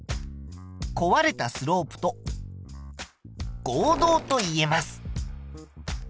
壊れたスロープと合同と言えます。